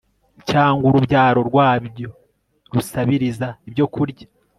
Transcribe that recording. cyangwa urubyaro rwayo rusabiriza ibyo kurya